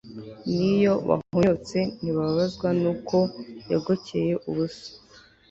n'iyo bahonyotse ntibababazwa n'uko yagokeye ubusa